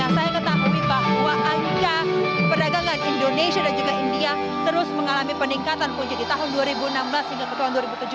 saya ketahui bahwa angka perdagangan indonesia dan juga india terus mengalami peningkatan punca di tahun dua ribu enam belas hingga ke tahun dua ribu tujuh belas